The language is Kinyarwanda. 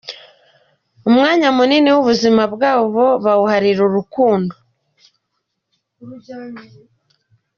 Umwanya munini w’buzima bwabo bawuharira urukundo.